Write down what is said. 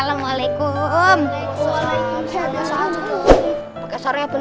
alhamdulillah yes konten masih bisa berjalan kuenya aman